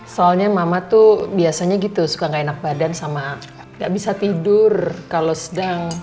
soalnya mama tuh biasanya gitu suka gak enak badan sama gak bisa tidur kalau sedang